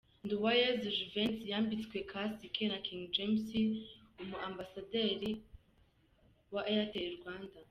Nduwayezu Juvens yambitswe kasike na King James umu Ambasaderi ba Airtel Rwanda.